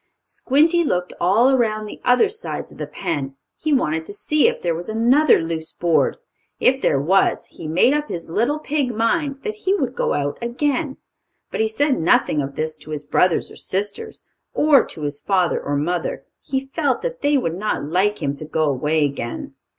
Squinty looked all around the other sides of the pen. He wanted to see if there was another loose board. If there was, he made up his little pig mind that he would go out again. But he said nothing of this to his brothers or sisters, or to his father or mother. He felt that they would not like him to go away again.